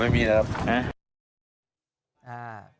ไม่มีแล้ว